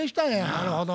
なるほど。